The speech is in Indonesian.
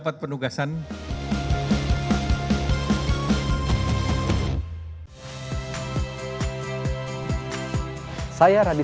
ada tugas di luar negeri